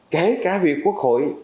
kể cả việc quốc hội